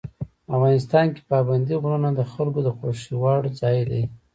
افغانستان کې پابندي غرونه د خلکو د خوښې وړ ځای دی.